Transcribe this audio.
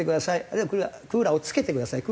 あるいは「クーラーを付けてください」